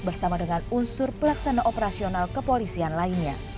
bersama dengan unsur pelaksana operasional kepolisian lainnya